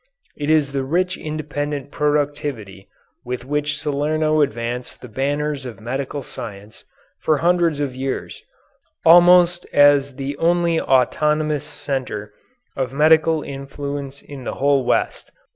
It is the rich independent productivity with which Salerno advanced the banners of medical science for hundreds of years almost as the only autochthonous centre of medical influence in the whole West.